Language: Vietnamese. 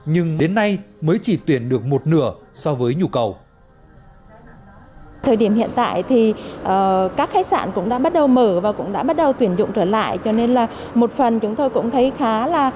nhưng đến nay mới chỉ tuyển được một nửa